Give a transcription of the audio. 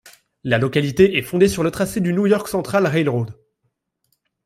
La localité est fondée sur le tracé du New York Central Railroad.